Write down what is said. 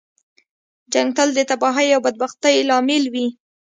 جنګ تل د تباهۍ او بدبختۍ لامل وي.